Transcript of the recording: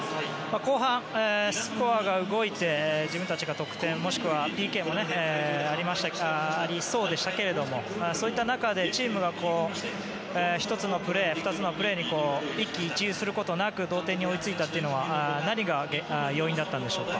後半、スコアが動いて自分たちが得点もしくはＰＫもありそうでしたがそういった中でチームが１つのプレーに一喜一憂することなく同点に追いついたのは何が要因だったんでしょうか？